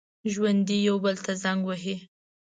ژوندي یو بل ته زنګ وهي